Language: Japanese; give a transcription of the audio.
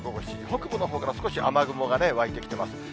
北部のほうから少し雨雲が湧いてきてます。